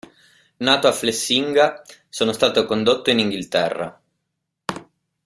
Nato a Flessinga, sono stato condotto in Inghilterra.